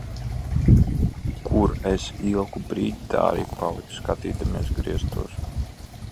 Kur es ilgu brīdi tā arī paliku, skatīdamies griestos.